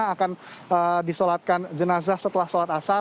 akan disolatkan jenazah setelah sholat asar